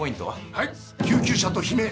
はい「救急車と悲鳴」